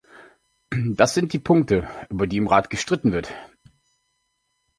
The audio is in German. Das sind die Punkte, über die im Rat gestritten wird.